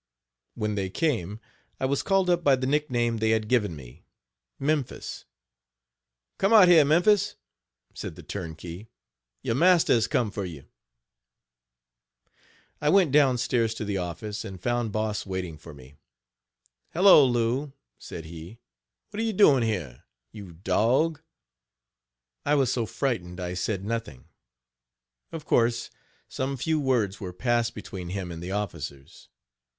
When they came, I was called up by the nick name they had given me, "Memphis." "Come out here, 'Memphis,'" said the turnkey, "your master has come for you." I went down stairs to the office, and found Boss waiting for me. "Hello, Lou!" said he, "what are you doing here, you dog?" I was so frightened I said nothing. Of course, some few words were passed between him and the officers.